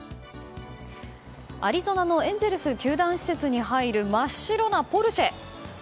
アリゾナのエンゼルス球団施設に入る、真っ白なポルシェ。